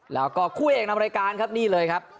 แล้วก็คู่เอกนำรายการครับนี่เลยครับ